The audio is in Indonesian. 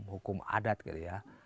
hukum adat gitu ya